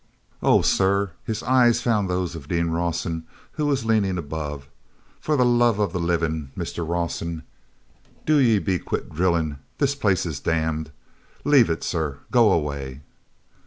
"Oh, sir,"—his eyes had found those of Dean Rawson who was leaning above—"for the love of hivin, Mister Rawson, do ye be quittin' drillin'. The place is damned. L'ave it, sir; go away...."